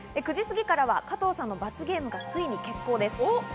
９時過ぎからは加藤さんの罰ゲームがついに決行です。